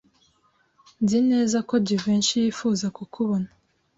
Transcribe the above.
Nzi neza ko Jivency yifuza kukubona.